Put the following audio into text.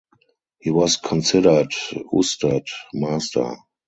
He was considered ustad (master).